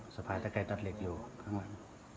สะพายตะแกรตัดเหล็กอยู่ข้างหลัง